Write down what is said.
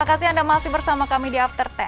terima kasih anda masih bersama kami di after sepuluh